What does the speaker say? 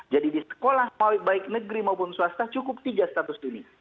jadi di sekolah baik negeri maupun swasta cukup tiga status ini